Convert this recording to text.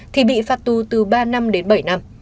thì bị phạt tù từ ba năm đến bảy năm